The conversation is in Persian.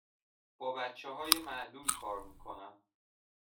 با بچه های معلول کار می کنم.